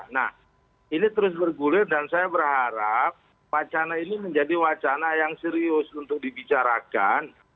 nah ini terus bergulir dan saya berharap wacana ini menjadi wacana yang serius untuk dibicarakan